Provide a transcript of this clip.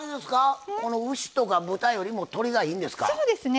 これは、牛とか豚よりも鶏がいいんですか？